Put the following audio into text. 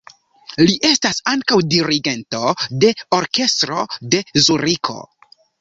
Li estas ankaŭ dirigento de orkestro de Zuriko.